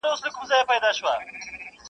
• دا دي کوم جهان لیدلی دی په خوب کي -